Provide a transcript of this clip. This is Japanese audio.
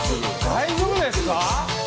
大丈夫ですか？